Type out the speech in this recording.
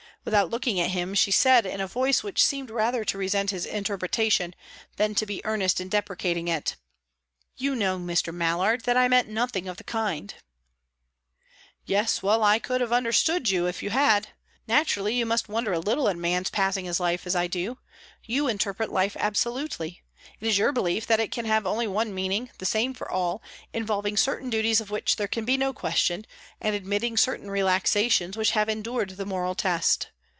Without looking at him, she said, in a voice which seemed rather to resent his interpretation than to be earnest in deprecating it: "You know, Mr. Mallard, that I meant nothing of the kind." "Yet I could have understood you, if you had. Naturally you must wonder a little at a man's passing his life as I do. You interpret life absolutely; it is your belief that it can have only one meaning, the same for all, involving certain duties of which there can be no question, and admitting certain relaxations which have endured the moral test.